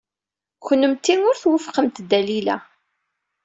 Kennemti ur twufqemt Dalila.